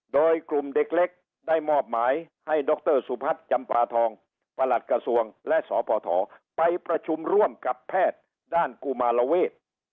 โดยกลุ่มเด็กเล็กได้มอบหมายให้ดรสุพัฒน์จำปาทองประหลัดกระทรวงและสพไปประชุมร่วมกับแพทย์ด้านกุมารเวศ